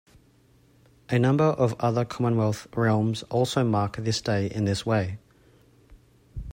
A number of other Commonwealth realms also mark this day in this way.